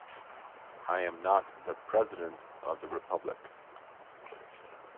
I am not the President of the Republic.